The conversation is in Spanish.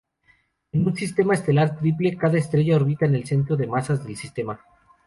En un sistema estelar triple, cada estrella orbita el centro de masas del sistema.